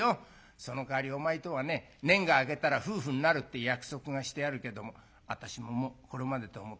そのかわりお前とはね年季が明けたら夫婦になるって約束がしてあるけども私ももうこれまでと思って諦めるからね。